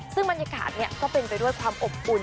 ซึ่งบรรยากาศก็เป็นไปด้วยความอบอุ่น